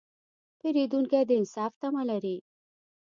پیرودونکی د انصاف تمه لري.